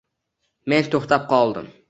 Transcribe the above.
Men to`xtab qoldim